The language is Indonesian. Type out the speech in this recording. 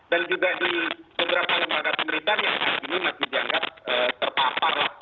dan juga di beberapa lembaga pemerintah yang hari ini masih dianggap terpapar